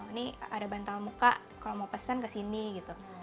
ini ada bantal muka kalau mau pesen kesini gitu